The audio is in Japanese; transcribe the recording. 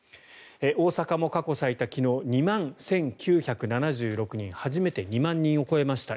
大阪も過去最多昨日、２万１９７６人初めて２万人を超えました。